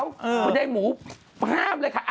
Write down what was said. คุณยายหมูห้ามเลยค่ะ